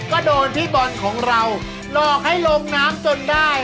ก็โดนพี่บอลของเราหลอกให้ลงน้ำจนได้